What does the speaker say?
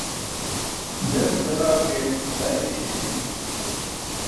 Belc belaa ke, dan eśi aki.